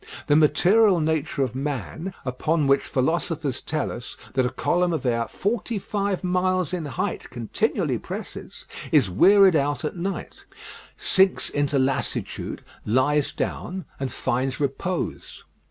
The material nature of man, upon which philosophers tell us that a column of air forty five miles in height continually presses, is wearied out at night, sinks into lassitude, lies down, and finds repose.